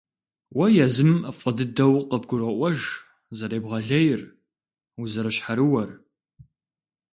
Уэ езым фӏы дыдэу къыбгуроӏуэж зэребгъэлейр, узэрыщхьэрыуэр.